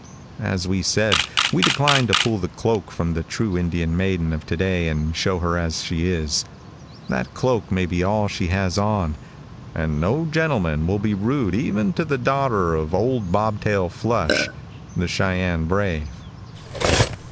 As we said, we decline to pull the cloak from the true Indian maiden of to day and show her as she is. That cloak may be all she has on, and no gentleman will be rude even to the daughter of Old Bob Tail Flush, the Cheyenne brave.